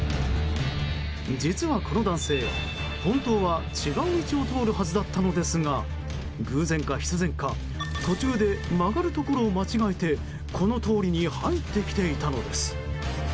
実はこの男性、本当は違う道を通るはずだったのですが偶然か必然か途中で曲がるところを間違えてこの通りに入ってきていたのです。